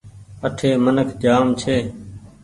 اٺي منک جآم ڇي۔